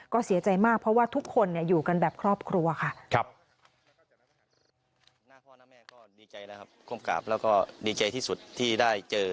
ก็เสียใจมากเพราะว่าทุกคนอยู่กันแบบครอบครัวค่ะ